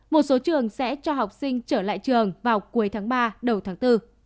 một số trường sẽ cho học sinh trở lại trường vào cuối tháng ba đầu tháng bốn